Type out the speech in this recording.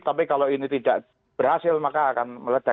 tapi kalau ini tidak berhasil maka akan meledak